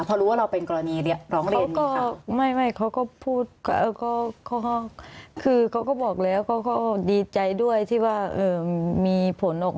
พอรู้ว่าเราเป็นกรณีหลองเลียนมีค่ะ